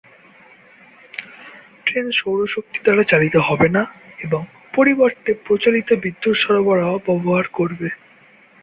Train সৌর শক্তি দ্বারা চালিত হবে না, এবং পরিবর্তে প্রচলিত বিদ্যুৎ সরবরাহ ব্যবহার করবে।